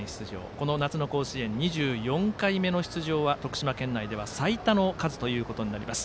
この夏の甲子園２４回目の出場は徳島県内では最多の数となります。